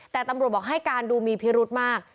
แต่ตำรวจบอกให้การดูมีพิรุธมาก